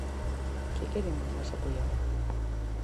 ¿Que queremos nós apoiar?